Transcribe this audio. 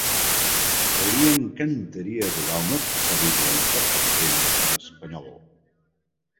Li encantaria rodar una pel·lícula independent en espanyol.